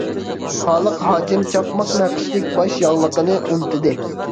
خالىق ھاجىم چاقماق نەقىشلىك باش ياغلىقىنى ئۇنتۇدى.